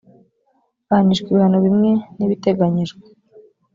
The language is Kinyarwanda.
ahanishwa ibihano bimwe n ibiteganyijwe